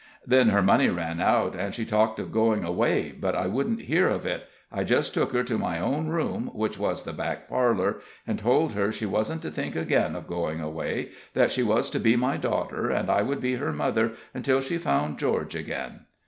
Then her money ran out, and she talked of going away, but I wouldn't hear of it. I just took her to my own room, which was the back parlor, and told her she wasn't to think again of going away; that she was to be my daughter, and I would be her mother, until she found George again.